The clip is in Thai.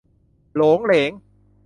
โหรงเหรง